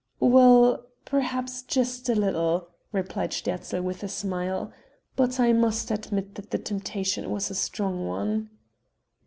"Well perhaps, just a little," replied Sterzl, with a smile, "but I must admit that the temptation was a strong one."